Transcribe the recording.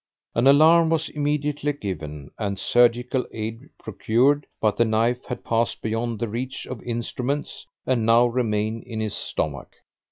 An alarm was immediately given, and surgical aid procured, but the knife had passed beyond the reach of instruments, and now remains in his stomach.